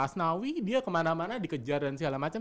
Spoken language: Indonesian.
asnawi dia kemana mana dikejar dan segala macam